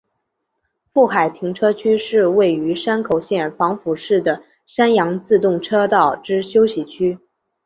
富海停车区是位于山口县防府市的山阳自动车道之休息区。